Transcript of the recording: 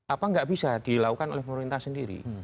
apa nggak bisa dilakukan oleh pemerintah sendiri